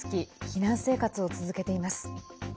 避難生活を続けています。